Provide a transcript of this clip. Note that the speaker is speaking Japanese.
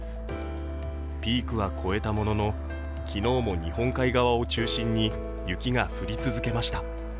ピークは越えたものの、昨日も日本海側を中心に雪が降り続けました。